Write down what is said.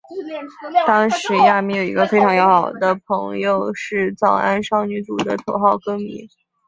当时亚弥有一个非常要好的朋友是早安少女组的头号歌迷。